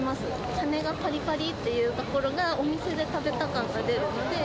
羽根がぱりぱりっていうところが、お店で食べた感が出るので。